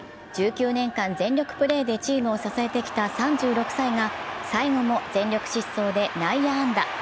１９年間、全力プレーでチームを支えてきた３６歳が最後も全力疾走で内野安打。